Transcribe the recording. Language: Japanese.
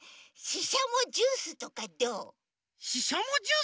ししゃもジュース！？